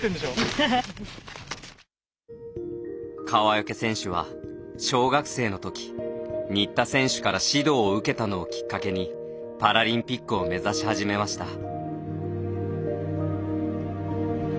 川除選手は小学生のとき新田選手から指導を受けたのをきっかけにパラリンピックを目指しはじめました。